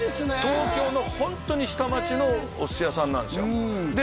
東京のホントに下町のお寿司屋さんなんですよで